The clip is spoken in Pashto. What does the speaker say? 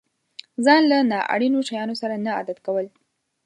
ځان له نا اړينو شيانو سره نه عادت کول.